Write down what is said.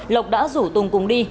lộc đã rủ tùng cùng đi